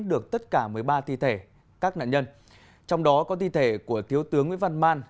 được tất cả một mươi ba thi thể các nạn nhân trong đó có thi thể của thiếu tướng nguyễn văn man